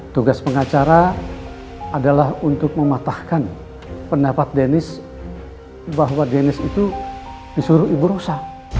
tugas pengacara adalah untuk mematahkan pendapat denis bahwa dennis itu disuruh ibu rusa